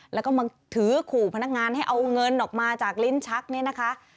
แล้วก็มาถือขู่พนักงานให้เอาเงินออกมาจากลิ้นชักเนี่ยนะคะ